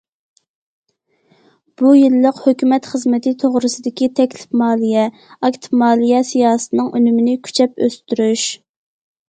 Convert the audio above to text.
بۇ يىللىق ھۆكۈمەت خىزمىتى توغرىسىدىكى تەكلىپ مالىيە: ئاكتىپ مالىيە سىياسىتىنىڭ ئۈنۈمىنى كۈچەپ ئۆستۈرۈش.